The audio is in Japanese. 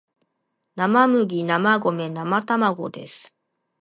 生麦生米生卵です